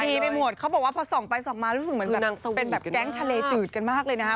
ไปหมดเขาบอกว่าพอส่องไปส่องมารู้สึกเหมือนเป็นแบบแก๊งทะเลจืดกันมากเลยนะฮะ